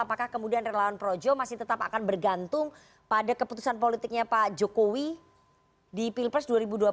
apakah kemudian relawan projo masih tetap akan bergantung pada keputusan politiknya pak jokowi di pilpres dua ribu dua puluh empat